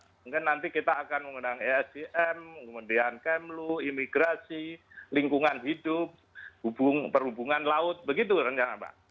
mungkin nanti kita akan mengenang esjm kemudian kemlu imigrasi lingkungan hidup hubungan perhubungan laut begitu rencana pak